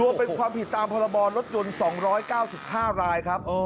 เป็นความผิดตามพรบรรถยนต์๒๙๕รายครับ